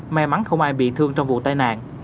may mắn không ai bị thương trong vụ tai nạn